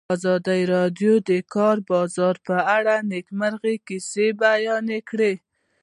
ازادي راډیو د د کار بازار په اړه د نېکمرغۍ کیسې بیان کړې.